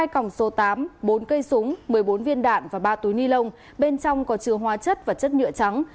hai còng số tám bốn cây súng một mươi bốn viên đạn và ba túi ni lông bên trong có chứa hóa chất và chất nhựa trắng